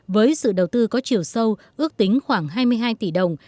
với sự đầu tư có chiều sâu ước tính khoảng hai mươi hai tỷ đồng